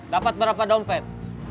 dapat berapa dompet